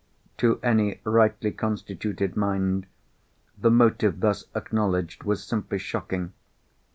To any rightly constituted mind, the motive thus acknowledged was simply shocking.